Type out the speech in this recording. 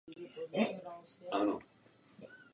Vím, že to pro vás není snadné.